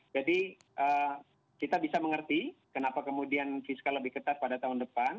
jadi kita bisa mengerti kenapa kemudian fiskal lebih ketat pada tahun depan